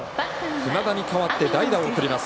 船田に代わって代打を送ります。